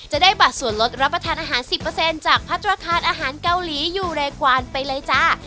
จะได้บัตรส่วนลดรับประทานอาหาร๑๐จากพัฒนาคารอาหารเกาหลีอยู่ในกวานไปเลยจ้า